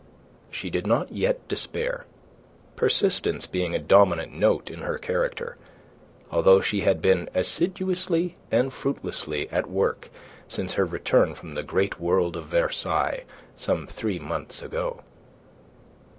She did not yet despair persistence being a dominant note in her character although she had been assiduously and fruitlessly at work since her return from the great world of Versailles some three months ago.